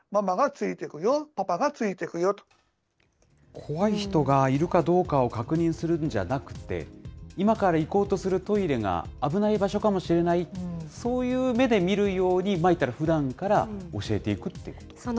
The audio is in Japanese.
怖い人がいるかどうかを確認するんじゃなくて、今から行こうとするトイレが危ない場所かもしれない、そういう目で見るように、ふだんから教えていくっていうこと？